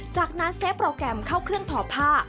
จากนั้นเซฟโปรแกรมเข้าเครื่องทอผ้า